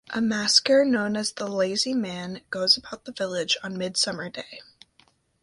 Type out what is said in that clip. A masker known as the Lazy Man goes about the village on Midsummer Day.